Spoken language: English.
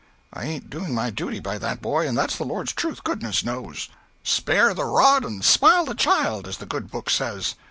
I ain't doing my duty by that boy, and that's the Lord's truth, goodness knows. Spare the rod and spile the child, as the Good Book says.